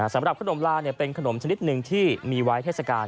สำหรับขนมลาเป็นขนมชนิดหนึ่งที่มีไว้เทศกาล